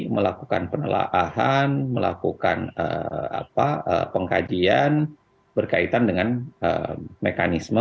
melakukan penelaahan melakukan pengkajian berkaitan dengan mekanisme